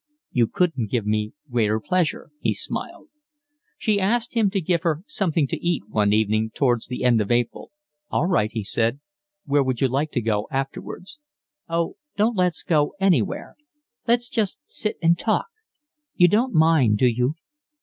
"You couldn't give me greater pleasure," he smiled. She asked him to give her something to eat one evening towards the end of April. "All right," he said. "Where would you like to go afterwards?" "Oh, don't let's go anywhere. Let's just sit and talk. You don't mind, do you?"